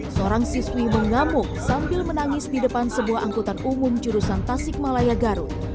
seorang siswi mengamuk sambil menangis di depan sebuah angkutan umum jurusan tasik malaya garut